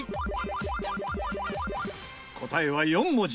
答えは４文字。